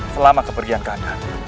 selama kepergian kakanda